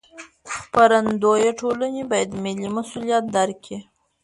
خپرندویه ټولنې باید ملي مسوولیت درک کړي.